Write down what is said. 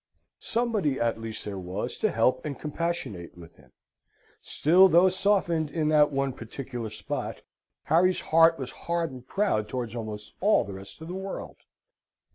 Somebody at least there was to help and compassionate with him. Still, though softened in that one particular spot, Harry's heart was hard and proud towards almost all the rest of the world.